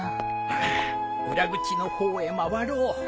ああ裏口の方へ回ろう。